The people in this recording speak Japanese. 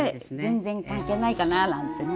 全然関係ないかななんてね。